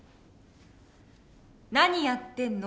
「何やってんの。